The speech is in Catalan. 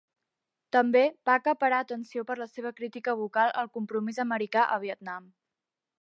També va acaparar atenció per la seva crítica vocal al compromís americà a Vietnam.